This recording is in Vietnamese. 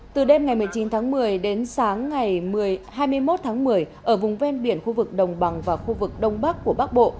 từ đêm ngày một mươi chín tháng một mươi đến sáng ngày hai mươi một tháng một mươi ở vùng ven biển khu vực đồng bằng và khu vực đông bắc của bắc bộ